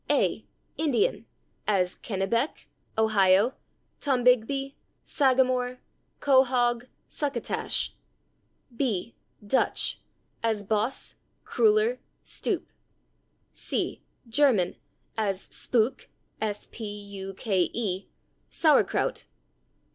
a. Indian, as /Kennebec/, /Ohio/, /Tombigbee/; /sagamore/, /quahaug/, /succotash/. b. Dutch, as /boss/, /kruller/, /stoop/. c. German, as /spuke/ (?), /sauerkraut